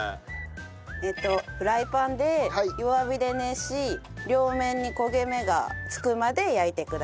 フライパンで弱火で熱し両面に焦げ目がつくまで焼いてください。